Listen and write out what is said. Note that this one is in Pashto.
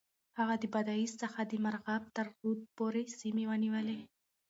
هغه د بادغيس څخه د مرغاب تر رود پورې سيمې ونيولې.